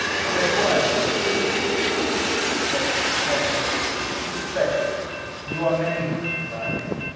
Gregg, why are you so heedless?" I said carefully, "This treasure you are many who will divide it.